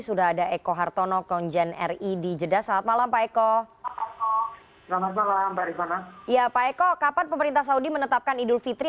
kepada penyelenggaraan beberapa orang diperlukan untuk berbelanja untuk persiapan perayaan idul fitri